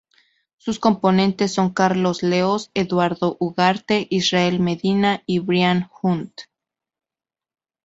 Sus componentes son Carlos Leoz, Eduardo Ugarte, Israel Medina y Brian Hunt.